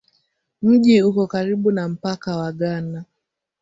Mji uko karibu na mpaka wa Ghana.